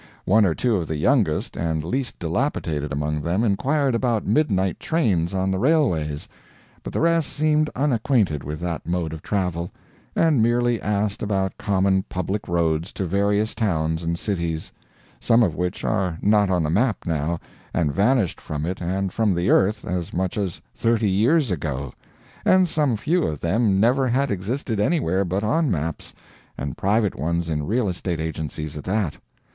One or two of the youngest and least dilapidated among them inquired about midnight trains on the railways, but the rest seemed unacquainted with that mode of travel, and merely asked about common public roads to various towns and cities, some of which are not on the map now, and vanished from it and from the earth as much as thirty years ago, and some few of them never HAD existed anywhere but on maps, and private ones in real estate agencies at that.